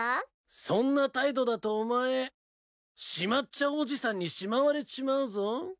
そんな態度だとお前しまっちゃうおじさんにしまわれちまうぞ？